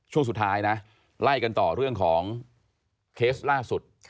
ช่วงสุดท้ายนะไล่กันต่อเรื่องของเคสล่าสุด